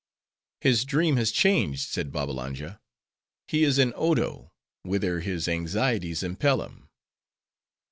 "His dream has changed," said Babbalanja. "He is in Odo, whither his anxieties impel him."